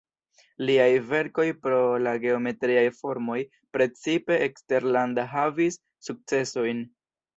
Liaj verkoj pro la geometriaj formoj precipe eksterlanda havis sukcesojn.